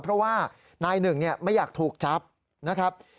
เพราะว่านายหนึ่งไม่อยากถูกจับนะครับ